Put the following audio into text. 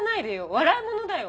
笑い物だよ。